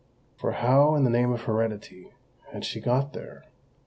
For how, in the name of heredity, had she got there?